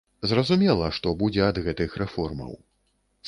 Зразумела, што будзе ад гэтых рэформаў.